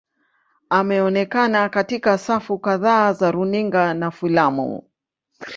Ameonekana katika safu kadhaa za runinga na filamu.